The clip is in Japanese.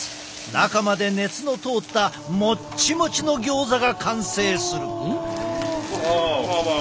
中まで熱の通ったもっちもちのギョーザが完成する。